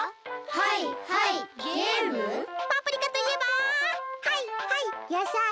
パプリカといえばはいはいやさい！